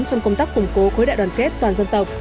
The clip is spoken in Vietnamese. trong công tác củng cố khối đại đoàn kết toàn dân tộc